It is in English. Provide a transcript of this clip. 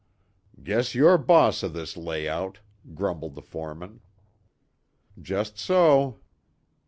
"Guess you're 'boss' o' this lay out," grumbled the foreman. "Just so."